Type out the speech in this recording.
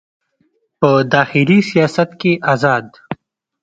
په داخلي سیاست کې ازاد